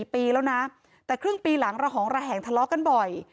ปีแล้วนะแต่ครึ่งปีหลังระหองระแหงทะเลาะกันบ่อย